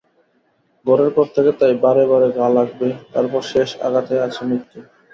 ঘরের কর্তাকে তাই বারেবারে ঘা লাগবে, তার পরে শেষ আঘাত আছে মৃত্যু।